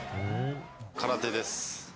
空手です。